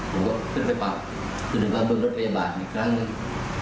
ผมก็ขึ้นไปปั๊มคือถึงปั๊มด้วยรถพยาบาลอีกครั้งนึง